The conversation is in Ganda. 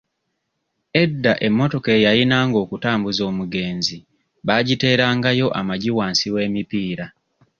Edda emmotoka eyayinanga okutambuza omugenzi baagiterangayo amagi wansi w'emipiira.